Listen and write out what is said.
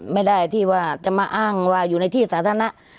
ไม่ได้ที่ว่าจะมาอ้างว่าอยู่ในที่สาธารณะ